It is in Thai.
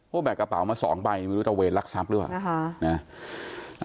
พวกแบกกระเป๋ามาสองใบไม่รู้ตระเวทรักษักหรือว่ะนะฮะ